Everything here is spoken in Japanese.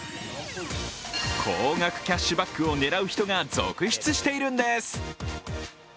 高額キャッシュバックを狙う人が続出しているんです。